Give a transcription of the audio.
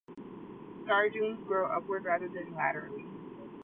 Star dunes grow upward rather than laterally.